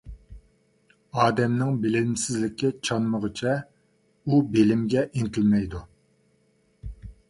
ئادەمنىڭ بىلىمسىزلىكى چانمىغۇچە، ئۇ بىلىمگە ئىنتىلمەيدۇ.